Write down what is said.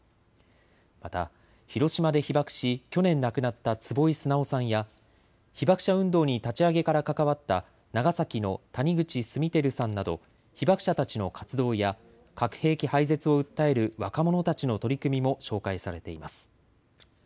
また広島で被爆し去年亡くなった坪井直さんや被爆者運動に立ち上げから関わった長崎の谷口稜曄さんなど被爆者たちの活動や核兵器廃絶を訴える若者たちの取り組みも紹介されています。